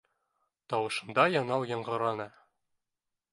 Тауышында янау яңғыраны